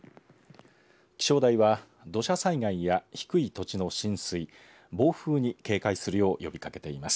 気象台は土砂災害や低い土地の浸水暴風に警戒するよう呼びかけています。